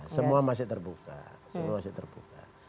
semua masih terbuka semua masih terbuka